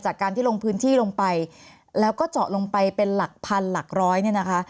จากการที่ลงพื้นที่ลงไปแล้วก็เจาะลงไปเป็นหลักพันหลักร้อยเนี่ยนะคะ